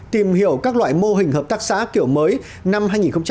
tìm hiểu các loại mô hình hợp tác xã kiểu mới năm hai nghìn một mươi tám